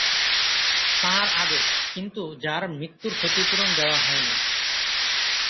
তাঁর আদেশ, কিন্তু যার মৃত্যুর ক্ষতিপূরণ দেওয়া হয়নি।